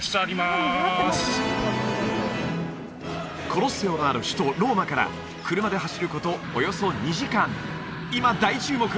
コロッセオのある首都ローマから車で走ることおよそ２時間今大注目！